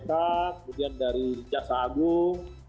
kemudian dari rijasa agung